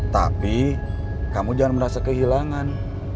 tapi kamu jangan merasa kehilangan